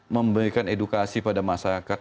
memberikan edukasi pada masyarakat